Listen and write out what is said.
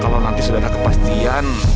kalau nanti sudah ada kepastian